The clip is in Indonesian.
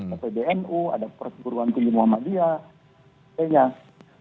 seperti bnu ada persekutuan kunjung muhammadiyah